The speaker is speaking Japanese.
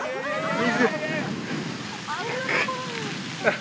水。